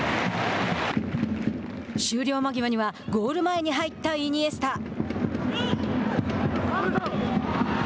終了間際にはゴール前に入ったイニエスタ。